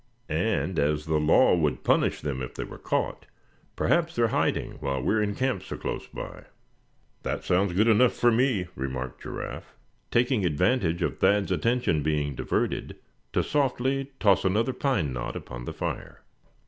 And as the law would punish them if they were caught, perhaps they're hiding while we're in camp so close by." "That sounds good enough for me," remarked Giraffe, taking advantage of Thad's attention being diverted to softly toss another pine knot upon the fire.